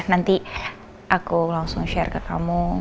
nanti aku langsung share ke kamu